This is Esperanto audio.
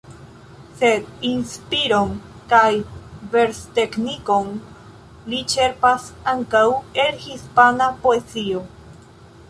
Sed inspiron kaj versteknikon li ĉerpas ankaŭ el hispana poezio.